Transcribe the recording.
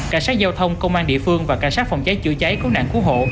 cảnh sát giao thông công an địa phương và cảnh sát phòng cháy chữa cháy cứu nạn cứu hộ